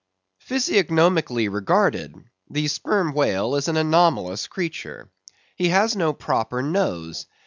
Physiognomically regarded, the Sperm Whale is an anomalous creature. He has no proper nose.